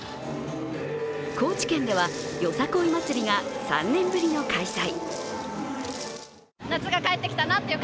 高知県では、よさこい祭りが３年ぶりの開催。